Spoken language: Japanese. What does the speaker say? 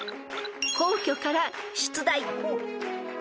［皇居から出題］